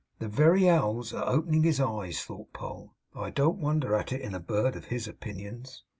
'The very owl's a opening his eyes!' thought Poll. 'I don't wonder at it in a bird of his opinions.